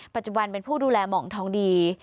ปัจจุบันเป็นผู้ดูแลหมองทองดี